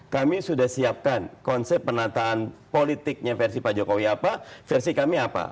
kami sudah siapkan konsep penataan politiknya versi pak jokowi apa versi kami apa